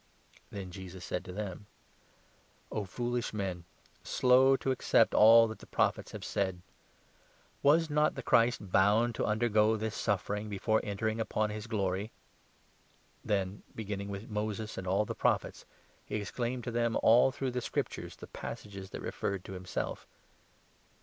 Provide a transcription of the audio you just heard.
Then Jesus said to them : 25 "O foolish men, slow to accept all that the Prophets have said ! Was not the Christ bound to undergo this suffering 26 before entering upon his Glory ?" Then, beginning with Moses and all the Prophets, he explained 27 to them all through the Scriptures the passages that referred to himself.